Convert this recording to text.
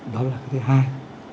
đó là cái thứ hai